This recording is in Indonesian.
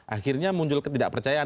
akhirnya muncul ketidakpercayaan